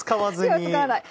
手を使わない。